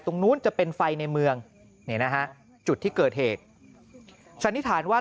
ตรงนู้นจะเป็นไฟในเมืองนี่นะฮะจุดที่เกิดเหตุสันนิษฐานว่า